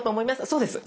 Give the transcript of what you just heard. そうです！